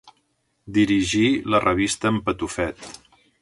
Dirigí la revista En Patufet.